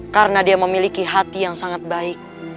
karena dia memiliki hati yang sangat baik